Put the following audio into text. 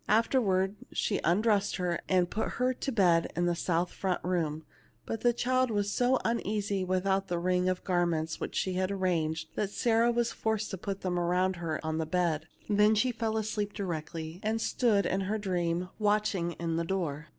Afterwards she undressed her, and put her to bed in the south front room, but the child was so uneasy without the ring of garments which she had arranged, that Sarah was forced to put them around her on the bed ; then she fell asleep di rectly, and stood in her dream watching in the door.